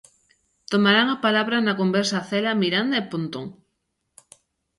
Tomarán a palabra na conversa Cela, Miranda e Pontón.